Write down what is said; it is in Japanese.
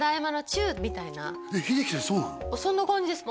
そんな感じです